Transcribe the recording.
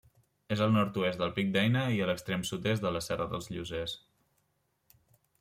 És al nord-oest del Pic d'Eina i a l'extrem sud-est de la Serra dels Llosers.